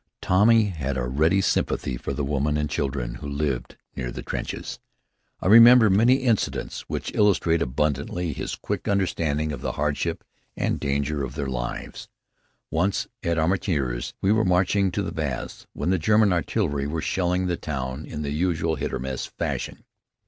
Tommy had a ready sympathy for the women and children who lived near the trenches. I remember many incidents which illustrate abundantly his quick understanding of the hardship and danger of their lives. Once, at Armentières, we were marching to the baths, when the German artillery were shelling the town in the usual hit or miss fashion.